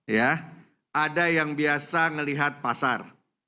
ya ada yang biasa melihat pasar